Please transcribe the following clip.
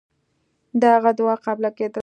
د هغه دعا قبوله کېده.